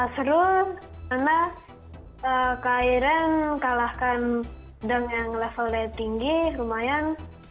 seru karena ke iren kalahkan dengan levelnya tinggi lumayan